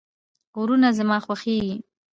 غرونه زما خوښیږي